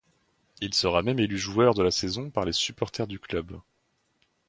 Il sera même élu Joueur de la saison par les supporters du club.